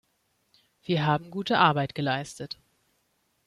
Wir haben gute Arbeit geleistet.